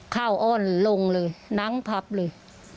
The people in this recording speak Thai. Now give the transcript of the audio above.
ข้าวอ้อนลงเลยน้ำผับเลย